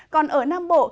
còn ở nam bộ